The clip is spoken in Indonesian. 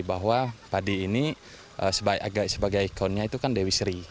bahwa padi ini sebagai ikonnya itu kan dewi sri